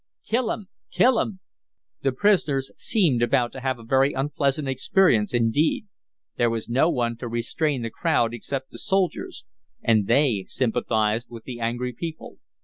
"Kill 'em! Kill 'em!" The prisoners seemed about to have a very unpleasant experience indeed. There was no one to restrain the crowd except the soldiers and they sympathized with the angry people.